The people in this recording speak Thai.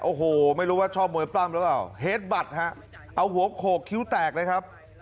โอ้โหไม่รู้ว่าชอบมวยปล้ำหรือเปล่าเฮดบัตรฮะเอาหัวโขกคิ้วแตกเลยครับ